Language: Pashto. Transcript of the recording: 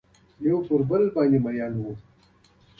یو پر بل باندې میین وه